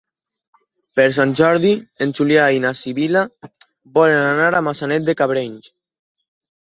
Per Sant Jordi en Julià i na Sibil·la volen anar a Maçanet de Cabrenys.